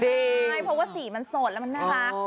ใช่เพราะว่าสีมันสดแล้วมันน่ารัก